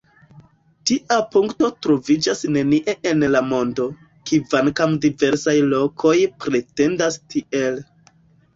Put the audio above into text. Tia punkto troviĝas nenie en la mondo, kvankam diversaj lokoj pretendas tiel.